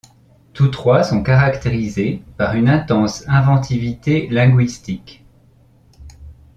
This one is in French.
Tous trois sont caractérisés par une intense inventivité linguistique.